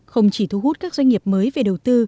không chỉ thu hút các doanh nghiệp mới về đầu tư